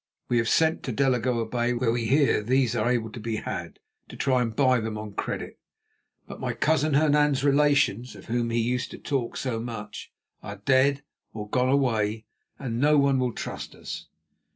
We have sent to Delagoa Bay, where we hear these are to be had, to try to buy them on credit; but my cousin Hernan's relations, of whom he used to talk so much, are dead or gone away, and no one will trust us.